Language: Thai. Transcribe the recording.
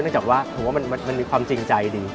เนื่องจากว่ามันมีความจริงใจดี